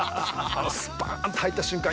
スパーンと入った瞬間